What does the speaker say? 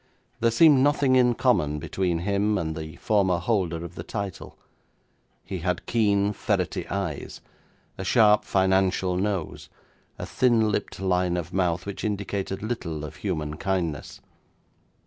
There seemed nothing in common between him and the former holder of the title. He had keen, ferrety eyes, a sharp financial nose, a thin lipped line of mouth which indicated little of human kindness.